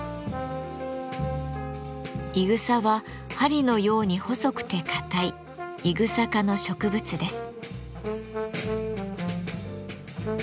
いぐさは針のように細くて硬いイグサ科の植物です。